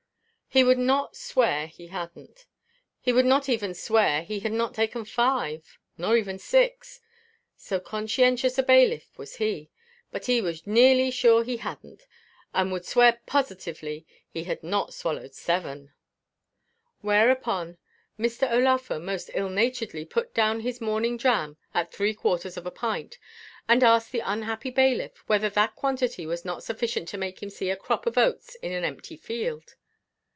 He would not swear he hadn't. He would not even swear he had not taken five; nor even six, so conscientious a bailiff was he; but he was nearly sure he hadn't, and would swear positively he had not swallowed seven. Whereupon Mr. O'Laugher most ill naturedly put down his morning dram at three quarters of a pint, and asked the unhappy bailiff whether that quantity was not sufficient to make him see a crop of oats in an empty field.